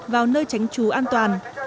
vào nơi tránh chú an toàn